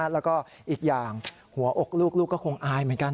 แล้วก็อีกอย่างหัวอกลูกก็คงอายเหมือนกัน